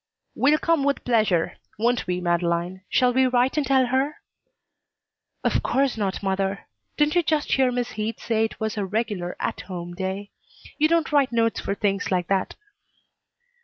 "We'll come with pleasure. Won't we, Madeleine? Shall we write and tell her?" "Of course not, mother. Didn't you just hear Miss Heath say it was her regular 'at home' day? You don't write notes for things like that."